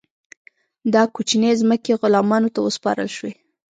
دا کوچنۍ ځمکې غلامانو ته وسپارل شوې.